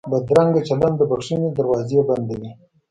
بدرنګه چلند د بښنې دروازې بندوي